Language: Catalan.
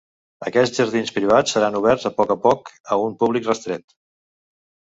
Aquests jardins privats seran oberts a poc a poc a un públic restret.